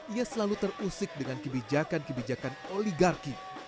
ia selalu terusik dengan kebijakan kebijakan oligarki